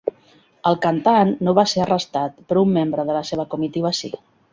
El cantant no va ser arrestat, però un membre de la seva comitiva sí.